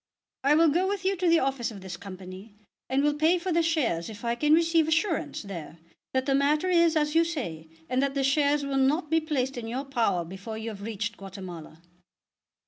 "I will go with you to the office of this Company, and will pay for the shares if I can receive assurance there that the matter is as you say, and that the shares will not be placed in your power before you have reached Guatemala."